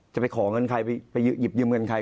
จะไปขอเงินใครไปหยิบยืมเงินใคร